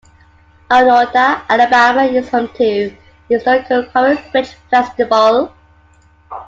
Oneonta, Alabama is home to the Historical Covered Bridge Festival.